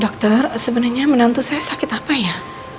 dokter sebenarnya menantu saya sakit apa ya